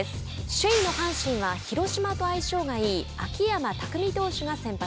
首位の阪神は広島と相性がいい秋山拓巳選手が先発。